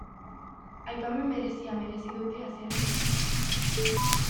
Aipamen berezia merezi dute Asierrek eta Aimarrek.